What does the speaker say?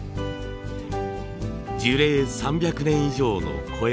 樹齢３００年以上の肥松です。